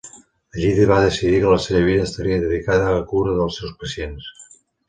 Allí va decidir que la seva vida estaria dedicada a cura dels seus pacients.